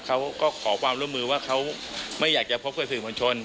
เขาก็ขอความร่วมมือว่าเขาไม่อยากจะพบกับสื่อมวลชน